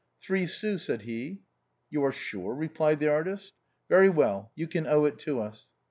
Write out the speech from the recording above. " Three sous," said he. "You are sure?" replied the artist. "Very well, you can owe it to us."